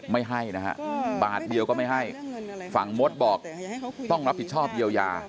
ไม่ให้นะฮะบาทเดียวก็ไม่ให้ฝั่งมดบอกต้องรับผิดชอบเยียวยา